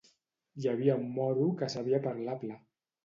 Hi havia un moro que sabia parlar pla.